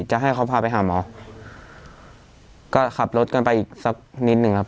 จะให้เขาพาไปหาหมอก็ขับรถกันไปอีกสักนิดหนึ่งครับ